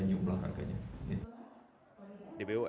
dan ini adalah yang menyebabkan saya menikmati olahraga